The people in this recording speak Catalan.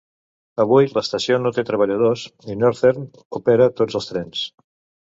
Avui l'estació no té treballadors i Northern opera tots els trens.